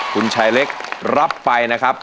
คุณชายเล็กรับไปนะครับ